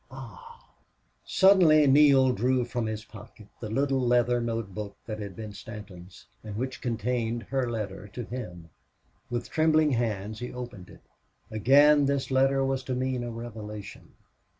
Ah!" Suddenly Neale drew from his pocket the little leather note book that had been Stanton's, and which contained her letter to him. With trembling hands he opened it. Again this letter was to mean a revelation.